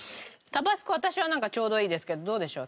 タバスコ私はなんかちょうどいいですけどどうでしょう？